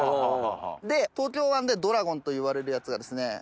で東京湾でドラゴンといわれるやつがですね。